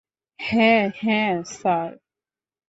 হ্যাঁঁ, হ্যাঁঁ, স্যার!